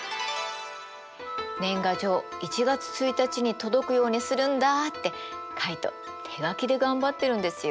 年賀状１月１日に届くようにするんだってカイト手書きで頑張ってるんですよ。